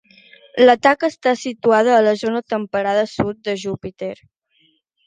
La taca està situada a la zona temperada sud de Júpiter.